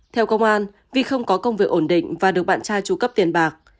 theo công an vì không có công việc ổn định và được bạn trai tru cấp tiền bạc